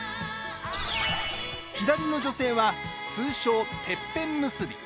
左の女性は通称・てっぺん結び。